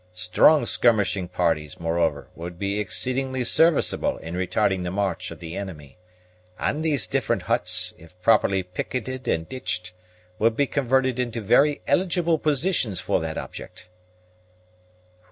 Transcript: Strong skirmishing parties, moreover, would be exceedingly serviceable in retarding the march of the enemy; and these different huts, if properly piqueted and ditched, would be converted into very eligible positions for that object."